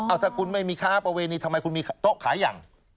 ถ้าคุณไม่มีค้าประเวณีทำไมคุณมีโต๊ะขายอย่าง